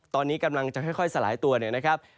ตอนนี้กำลังจะค่อยสลายตัวเนี่ยนะครับ